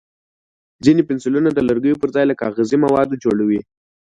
ځینې پنسلونه د لرګیو پر ځای له کاغذي موادو جوړ وي.